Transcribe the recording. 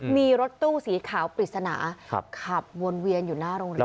มีรถตู้สีขาวปริศนาขับวนเวียนอยู่หน้าโรงเรียน